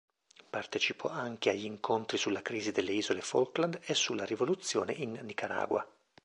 Partecipò anche agli incontri sulla crisi delle isole Falkland e sulla rivoluzione in Nicaragua.